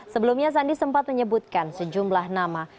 sebelumnya sandi sempat menyebutkan sejumlah nama